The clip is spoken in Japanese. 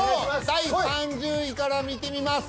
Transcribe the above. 第３０位から見てみます。